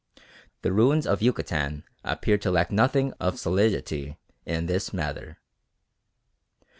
The ruins of Yucatan appear to lack nothing of solidity in this matter.